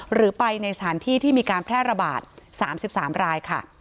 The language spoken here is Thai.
หรือไปในสถานที่ที่มีการแพร่ระบาด๓๓รายค่ะ